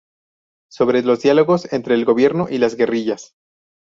Sobre los diálogos entre el gobierno y las guerrillas.